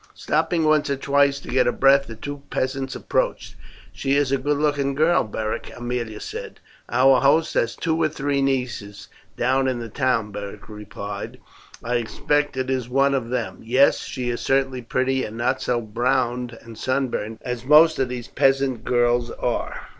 Stopping once or twice to get breath the two peasants approached. "She is a good looking girl, Beric," Aemilia said. "Our host has two or three nieces down in the town," Beric replied; "I expect it is one of them. Yes, she is certainly pretty, and not so browned and sunburnt as most of these peasant girls are."